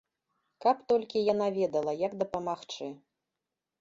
Каб толькі яна ведала, як дапамагчы.